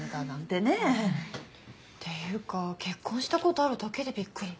っていうか結婚した事あるだけでびっくり。